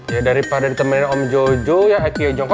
ya daripada ditemenin om jojo ya aikyoo jongko